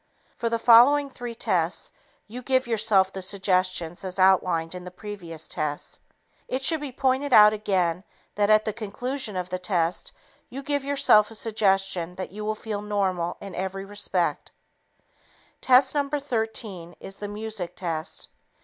For the following three tests, you give yourself the suggestions as outlined in the previous tests. It should be pointed out again that at the conclusion of the test, you give yourself a suggestion that you will feel normal in every respect. Test No. 13 is the "music" test.